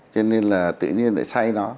cho nên là tự nhiên lại xây nó